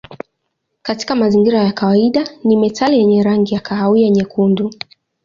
Katika mazingira ya kawaida ni metali yenye rangi ya kahawia nyekundu.